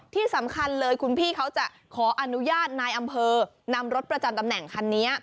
ที่สำคัญเลยคุณพี่เขาจะขออนุญาตนายอำเภอนำรถประจำตำแหน่งคันนี้